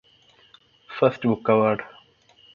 First Book Award.